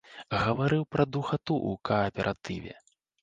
Гаварыў пра духату ў кааператыве.